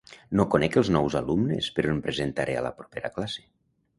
No conec els nous alumnes però em presentaré a la propera classe.